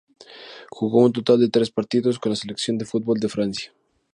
Jugó un total de tres partidos con la selección de fútbol de Francia.